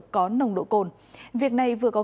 có nồng độ cồn việc này vừa có